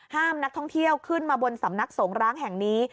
ห้ามนักท่องเที่ยวขึ้นมาบนสำนักสงร้างแห่งนี้